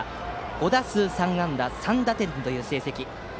５打数３安打３打点という成績。